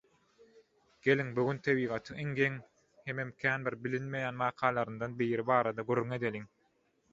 Geliň bügün tebigatyň iň geň hemem kän bir bilinmeýän wakalaryndan biri barada gürrüň edeliň.